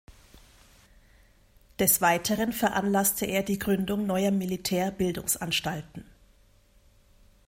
Des Weiteren veranlasste er die Gründung neuer Militär-Bildungsanstalten.